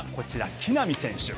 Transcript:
木浪選手。